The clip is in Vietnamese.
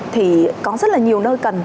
thì có rất là nhiều nơi cần